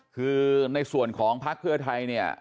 คือในส่วนของพักเพื่อไทยเนี่ย